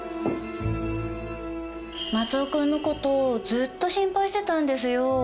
松尾君のことずっと心配してたんですよ